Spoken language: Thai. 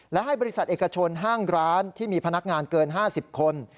และให้บริษัทเอกชนห้างร้านที่มีพนักงานเกิน๕๐คน